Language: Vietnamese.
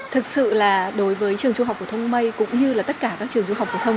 thực sự là đối với trường trung học phổ thông mây cũng như là tất cả các trường trung học phổ thông